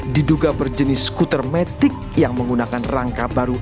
diduga berjenis skuter metik yang menggunakan rangka baru